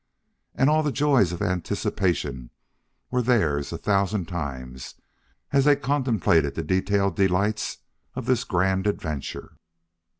And all the joys of anticipation were theirs a thousand times as they contemplated the detailed delights of this grand adventure.